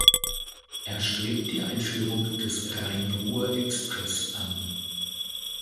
Er strebt die Einführung des Rhein-Ruhr-Express an.